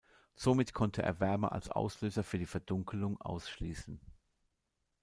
Somit konnte er Wärme als Auslöser für die Verdunkelung ausschließen.